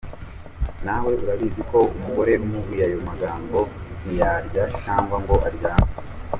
Nawe urabizi ko umugore umubwiye ayo magambo ntiyarya cyangwa ngo aryame.